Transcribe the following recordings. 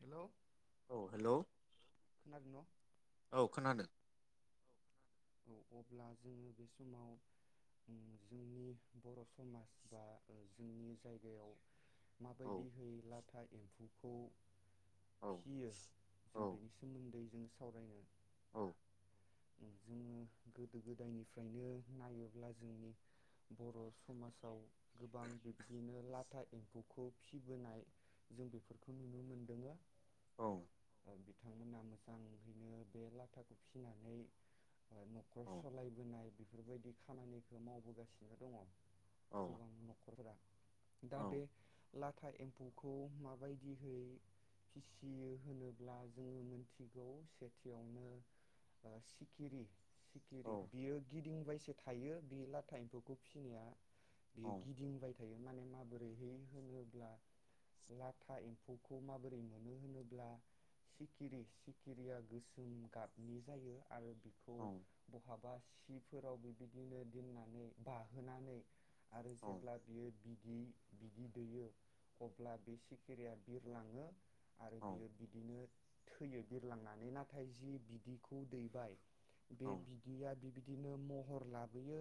Hello hello, औ खोनादो अब्ला जोङो बे समाव उम जोंनि बर' समाज बा ओ जोंनि जायगायाव माबायदि हैला आइदि एम्फौखौ फियो जों बेनि सोमोन्दै जों सावरायनो औ। उम जोङो गोदो गोदायनिफ्रायनो नायोब्ला जोंनि बर' समाजाव गोबां बिबदिनो लाथा एम्फौखौ फिसिबोनाय जों बेफोरखौ नुनो मोनदोंनो। औ बिथांमोना मोजांङैनो बे लाथाखौ फिसिनानै न'खर सालायबोनाय बे बेफोरबायदि खामानिखौ मावबोगासिनो दङ। गोबां न'खरफोरा दा बे ला लाथा एम्फौखौ माबायदियै फिसियो होनोब्ला जोंङो मोनथिगौ सेथियावनो ओ सि खिरि सिखिरि बियो गिदिंबाय सो थायो बे लाथा एम्फौखौ फिसिनाया बेयो गिदिंबाय थायो। माने माबोरैहाय होनोब्ला लाथा एम्फौखौ माबोरै मोनो होनोब्ला सिखिरि सिखिरिया गोसोम गाबनि जायो। आरो बिखौ बहाबा सिफ फोराव बिबिदिनो दोननानै बाहोनानै आरो जेब्ला बियो बिदि बिदि दैयो अब्ला बे सिखिरिया बिरलाङो। आरो बियो बिदिनो थैयो बिरलांनानै नाथाय जि बिदिखौ दै बाय। बे बिदिया बिबि बिदिनो महर लाबोयो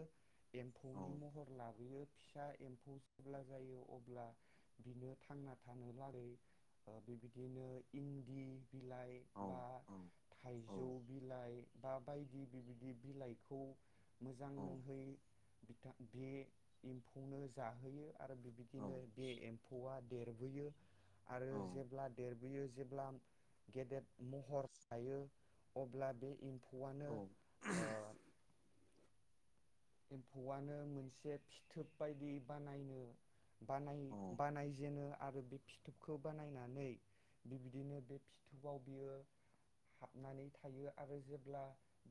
एम्फौनि महर लाबोयो फिसा एम्फौ जेब्ला जायो अब्ला बिनो थांना थानो लागै ओ बेबिदिनो इन्दि बिलाइ बा थाइजौ बिलाइ बा बायदि बेबायदि बिलाइखौ मोजांहै बिथां बे एम्फौनो जाहोयो। आरो बेबिदिनो बे एम्फौआ देर गायो आरो जेब्ला देरबोयो जेब्ला गेदेेत महर लायो अब्ला बे एम एम्फौआनो ओ एम्फौवानो मोनसे फिथोब बायदि बानायनो बानाय बानायजेनो आरो बे फिथोबखौ बानायनानै बिबिदिनो बे फिथोबाव बियो हाबनानै थायो आरो जेब्ला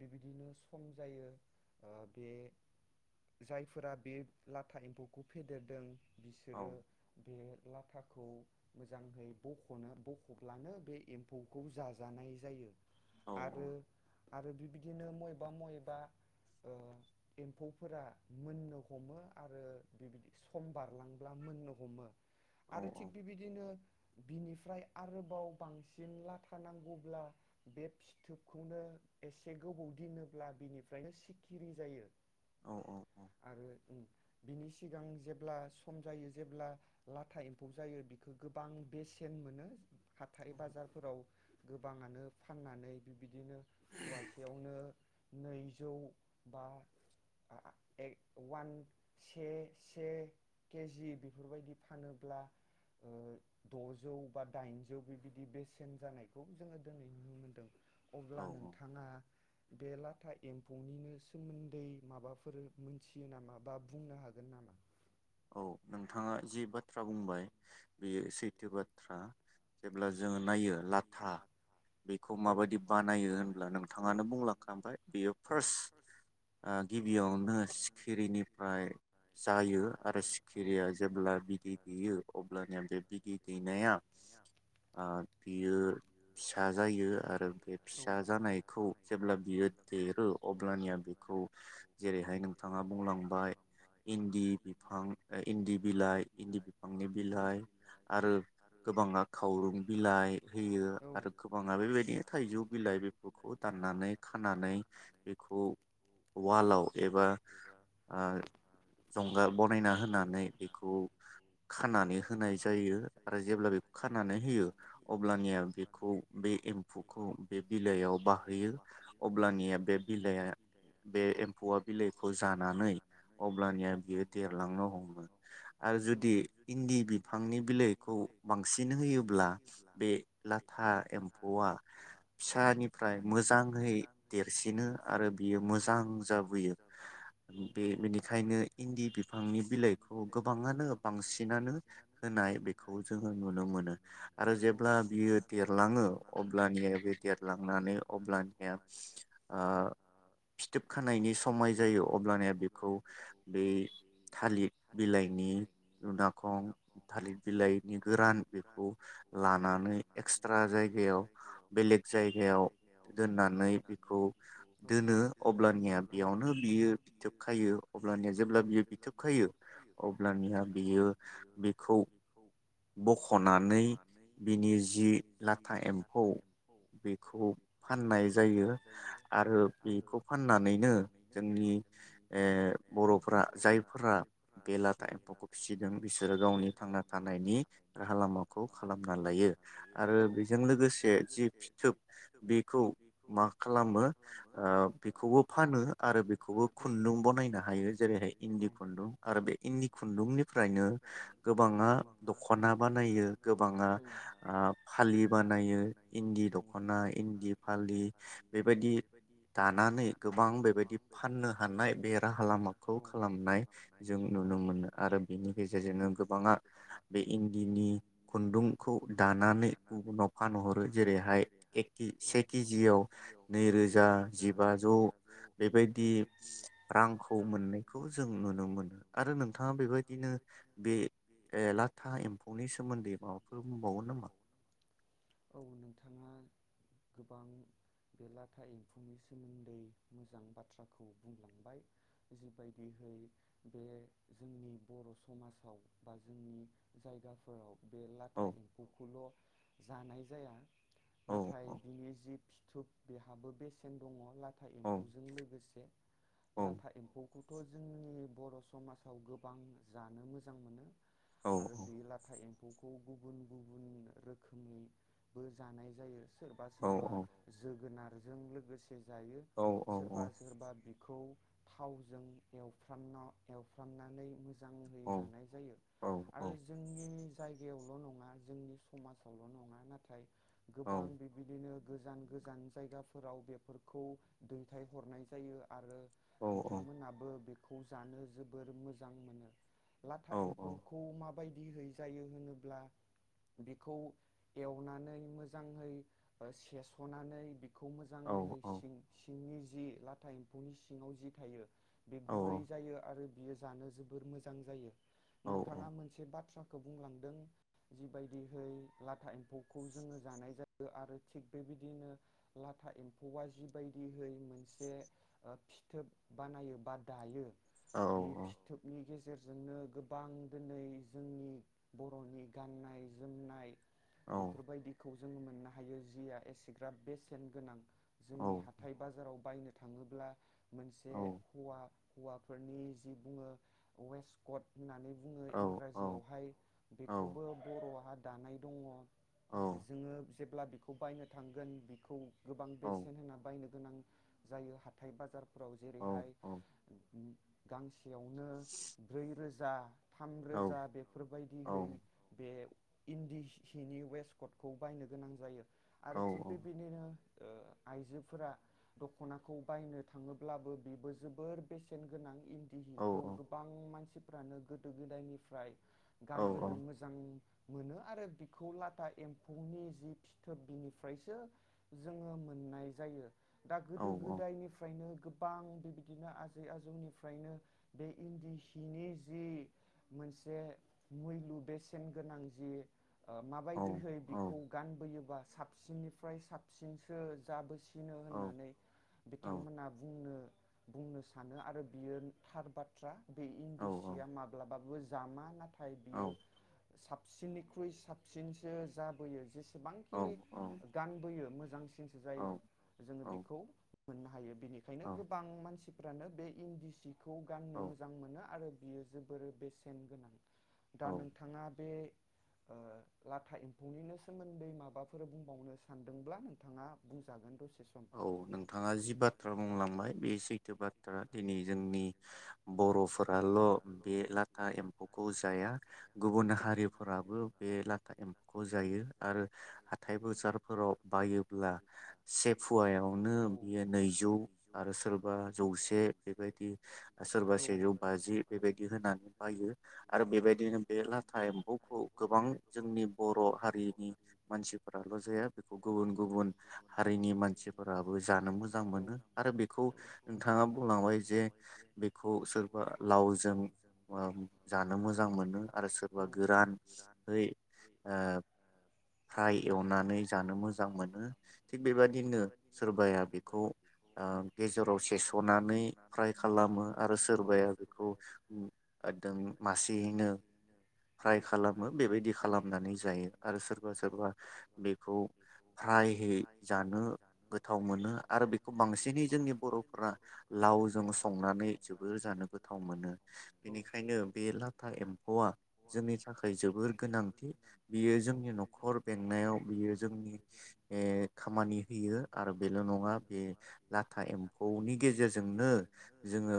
बिबिदिनो सम जायो ओ बे जायफोरा बे लाथा एम्फौखौ फेदेरदों बिसोरो बे लाथा खौ मोजांहै बखनो बखब्लानो बे एम्फौखौ जाजानाय जायो। आरो आरो बिदिनो मबेबा मबेबा एम्फौफोरा मोननो हमो आरो बेबिदि सम बारलां मोननो हमो आरो थिग बिबिदिनो बिनि फ्राय आरोबाव बांसिन लाथा नांगौब्ला बे फिथोबखौनो एसे गोबाव दोनोब्ला बिनिफ्रायनो सिखिरि जायो। आरो उम बिनि सिगां जेब्ला सम जायो जेब्ला लाथा एम्फौ जायो बिखौ गोबां बेसेन मोनो। हाथाय बाजारफोराव गोबाङानो फाननानै बिदिनो फुवासेयावनो नैजौ बा ए वान से से केजि बेफोरबायदि फानोब्ला दजौ बा दाइनजौ बेबायदि बेसेन जानायखौ जोङो दिनै नुनो मोनदों। अब्ला नोंथाङा बे लाथा एम्फौनिनो सोमोन्दै माबाफोर मोनथियो नामा बा बुंनो हागोन नामा? औ नोंथाङा जि बाथ्रा बुंबाय बेयो सैथो बाथ्रा जेब्ला जों नायो लाथा बेखौ माबायदि बानायो होनब्ला नोंथाङानो बुंलांखांबाय बेयो फार्स्ट गिबियावनो ओ सिखिरिनिफ्राय जायो। आरो सिखिरिया जेब्ला बिदै दैयो अब्लानिया बे बिदै दैनाया [inaudible] बियो सि फिसा जायो आरो बे फिसा जानायखौ जेब्ला बियो देरो अब्लानिया बेखौ जेरैहाय नोंथाङा बुंलांबाय इन्दि होम इन्दि बिलाइ, इन्दि बिफांनि बिलाइ आरो गोबाङा खावरं बिलाइ होयो आरो गोबाङा बेबायदिनो थाइजौ बिलाइ बेफोरखौ दाननानै खानानै बेखौ वालाव एबा ओ जंगाल बानायना होनानै बेखौ खानानै होनाय जायो आरो जेब्ला बेखौ खानानै होयो अब्लानिया बेखौ बे एम्फौखौ बे बिलाइयाव बाहोयो अब्लानिया बे बिलाइया बे एम्फौआ बिलाइखौ जानानै अब्लानिया बेयो देरलांनो हमो आरो जुदि इन्दि बिफांनि बिलाइखौ बांसिन होयोब्ला बे लाथा एम फौवा फिसानिफ्राय मोजाङै देरसिनो आरो बियो मोजां जाबोयो बे बेनिखायनो इन्दि बि फांनि बिलाइखौ गोबाङानो बांसिनानो होनाय बेखौ जोङो नुनो मोनो आरो जेब्ला बियो देरलां औ अब्लानिया बे देरलांनानै अब्लानिया ओ फिथोब खानायनि समाय जायो अब्लानिया बेखौ बे थालिर बिलाइनि दुनाखं थालिर बिलाइनि गोरान बेखौ लानानै एक्सट्रा जायगायाव बेलेग जायगायाव दोननानै बेखौ दोनो अब्लानिया बेयावनो बियो फिथोब खायो अब्लानिया जेब्ला बियो थोबखायो अब्लानिहा बेयो बेखौ बखनानै बिनि जि लाथा एम्फौ बेखौ फाननाय जायो आरो बेखौ फाननानैनो जोंनि बर'फोरा जायफोरा बे लाथा एम्फौखौ फिसिदों बिसोरो गावनि थांना थानायनि राहा लामाखौ खालामना लायो बे जों लोगोसे जि फिथोब बेखौ मा खालामो ओ बेखौबो फानो आरो बेखौबो खुन्दुं बनायनो हायो जेरैहाय इन्दि खुन्दुं आरो बे इन्दि खुन्दुंनिफ्रायनो गोबाङा दखना बानायो गोबाङा ओ फालि बानायो इन्दि दखना इन्दि फालि बेबायदि दानानै गोबां बेबायदि फाननो हानाय बे राहा लामाखौ खालामनाय जों नुनो मोनो आरो बेनि गेजेरजोंनो गोबाङा बे इन्दिनि खुन्दुंखौ दानानै गुबुनाव फानहरो जेरैहाय ए केज से केजियाव नैरोजा जिबाजौ बेबायदि रांखौ मोननायखौ जों नुनो मोनो आरो नोंथाङा बेबायदिनो बे ला नोंथाङा एम्फौनि सोमोन्दै माबाफोर बुंबावगोन नामा? औ नोंथाङा गोबां बे लाथा एम्फौनि सोमोन्दै मोजां बाथ्राखौ बुंलांबाय जिबायदिहै बे जोंनि बर' समाजाव बा जोंनि जायगाफोराव बे लाथा एम्फौखौल' जानाय जाया नाथाय बिनि जि धुप बेहाबो बेसेन दङ लाथा था एम्फौजों लोगोसे लाथा एम्फौ खौथ जोंनि बर समाजाव गोबां जानो मोजां मोनो आरो बे लाथा एम बेखौ गुबुन गुबुन रोखोमनिबो जानाय जायो सोरबा सोरबा जोगोनार जों लोगोस जायो सोरबा सोरबा बिखौ थावजों एवफ्राना एवफ्रामनानै मोजांयै जानाय जायो आरो जोंनि जायगायावल नङा जोंनि समाजावल नङा नाथाय गोबां बिबायदिनो गोजान गोजान जायगाफोराव बेफोरखौ दैथायहरनाय जायो आरो बिथांमोनाबो बि खौ जानो जोबोर मोजां मोनो। लाथा एम्फौखौ माबायदि बिहै जायो होनोब्ला बिखौ एवनानै मोजाङै सेसनानै बि खौ मोजांहै सि-सिंनि जि लाथा एम्फौनि सिङाव जि थायो। बे गुरै जायो आरो बियो जानो जोबोर मोजां जायो। नोंथाङा मोनसे बाथ्राखौ खौ बुंलांदों जिबाय बिदिहै लाथा एम्फौखौ जोङो जानाय जायो आरो थिग बेबायदिनो लाथा एम्फौआ जिबायदिहै मोनसे फिथोब बानायो बा दायो बे फिथोबनि गे गेजेरजोंनो गोबां दिनै जोंनि बर'नि गाननाय जोमनाय। बेफोरबायदिखौ खौ जोङो मोननो हायो जिया एसेग्राब बेसेन गोनां। जोंनि हाथाय बाजाराव बायनो थाङोब्ला मोनसे हौवा। हौवाफोरनि जि बुङो वेस कट होननानै बुङो इंराजियावहाय बेखौबो बर'आ हा दानाय दङ जोङो जेब्ला बिखौ बायनो थांगोन बिखौ गोबां बेसेन होनना बायनो नों जायो हाथाइ बाजार औ जेरैहाय गांसेयावनो ब्रैरोजा थामरोजा बेफोरबायदिहै बे इन्दि हिहिनि वेस्कटखौ बायनो गोनां जायो। आरो थिग बेबायदिनो ओ आइजोफोरा दख'नाखौ बायनो थाङोब्लाबो बेबो जोबोर बेसेन गोनां इन्दि हिखौ गोबां मानसि फोरानो गोदो गोदायनिफ्राय गानबोनो मोजां। मोनो आरो बिखौ लाथा एम्फौनि जि फिथोब बिनिफ्रायसो जोङो मोननाय जायो। दा गोदो गोदायनिफ्रायनो। गोबां बेबायदिनो आजै आजौनिफ्रायनो बे इन्दि सिनि जि मोनसे मैलु बेसेन गोनां ओ माबायदिहै बिखौ गानबोयोबा साबसिननिफ्राय साबसिनसो जाबोसि फिनो होननानै बिथांमोना बुंनो। बुंनो सानो आरो बियो थार बाथ्रा। बे इन्दि सिया माब्लाबाबो ज जामा ना थाय बियो सिननिख्रुइ साबसिनसो जाबोयो जेसे बां खिनि गानबोयो मो [inaudible] [unintelligible] जायो जोङो बेखौ मोननो हायो। बिनिखायनो गोबां मानसि फोरानो बे इन्दि सि। खौ गाननो मोजां मोनो आरो बियो जोबोरै बेसेन गोनां। दा नोंथाङा बे ओ लाथा एम्फौनिनो सोमोन्दै माबाफोर बुंबावनो सानदोंब्ला नोंथाङा बुंजागोन दसे। औ नोंथाङा जि बाथ्रा बुंलांबाय बे सैथो बाथ दा दिनै जोंनि बर'फोराल' बे लाथा एम्फौखौ जाया गुबुन हारिफोराबो बे लाथा एम्फौखौ जायो। आरो हाथाइ बोजारफोराव बायोब्ला सेफ फुवायावनो बियो नैजौ आरो सोरबा जौसे बेबायदि सोरबा सेजौ बाजि बेबायदि होनानै बायो आरो बेबायदिनो बे लाथा एम्फौखौ गोबां जोंनि बर' हारिनि मानसिफोराल' जाया बेखौ गुबुन हारिनि मान मानसिफोराबो जानो मोजां मोनो आरो बेखौ नोंथाङा बुंलांबाय जे बेखौ सोरबा लावजों ओ जानो मोजां मोनो आरो सोरबा गोरानै फ्राय एवनानै जानो मोजां दाम मोनो थिग बेबादिनो सोरबाया बेखौ ओ गेजेराव सेसनानै फ्राय खालामो आरो सोरबाया बेखौ एकदोम मासेयैनो फ्राय खालामो बेबायदि खालामनानै जायो आरो सोरबा सोरबा बेखौ फ्रायहै जानो गोथाव मोनो आरो बेखौ बांसिनै जोंनि बरफोरा लावजों संनानै जोबोर जानो गोथाव मोनो बेनिखायनो बे लाथा एम्फौआ जोंनि थाखाय जोबोर गोनांथि बियो जोंनि नखर बेंनायाव बियो जोंनि ए खामानि होयो आरो बेल' नङा बे लाथा एम्फौनि गेजेरजोंनो जोङो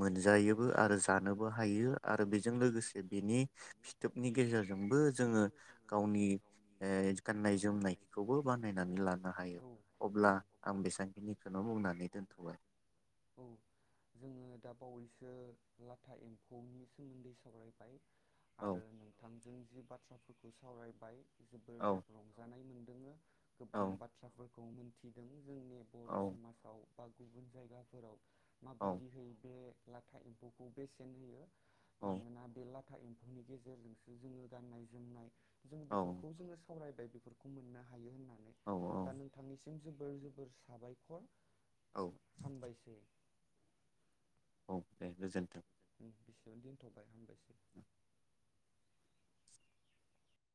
मोनजायोबो आरो जानोबो हायो आरो बेजों लोगोसे बेनि फिथोबनि गेजेरजोंबो जोङो गावनि ओ गाननाय जोम [unintelligible] खौबो बानायनानै लानो हायो। अब्ला आं बेसेबांखिनिखौनो बुंनानै दोन्थबाय। जो लाथा एम्फौनि सोमोन्दै सावरायबाय। आरो नोंथांजों जि बाथ्राफोरखौ सावरायबाय जोबोर रंजानाय गोबां बाथ्राफोर खौ मोनथिदों। जोंनि बर' समाजाव बा गुबुन जायगाफोराव माबायदि है बे लाथा एम्फौखौ बेसेन होयो। मानोना बेलाथ था एम्फौनि गेजेरजोंसो जोङो गाननाय जोमनाय जों बेफोरखौ जोङो सावरायबाय बेफोर खौ मोननो हायो होनना दा नोंथांनिसि सिम जोबोर जोबोर साबायखर हामबायसै औ दे गोजोनथों। एसेयावनो दोनथबाय हामबायसै।